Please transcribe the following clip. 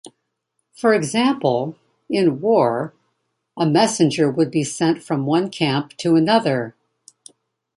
For example, in war, a messenger would be sent from one camp to another.